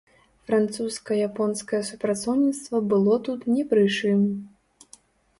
Французска-японскае супрацоўніцтва было тут не пры чым.